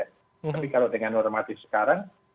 tapi kalau dengan normatif sekarang